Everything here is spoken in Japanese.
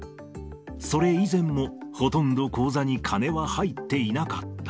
それ以前も、ほとんど口座に金は入っていなかった。